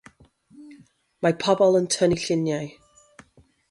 Mae pobl yn tynnu lluniau.